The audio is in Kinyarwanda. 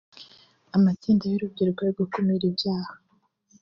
amatsinda y’ urubyiruko yo gukumira ibyaha